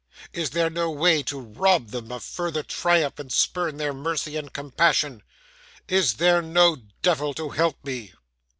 Is there no way to rob them of further triumph, and spurn their mercy and compassion? Is there no devil to help me?